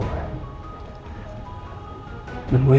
gue sudah berhenti ngeri gue ini ya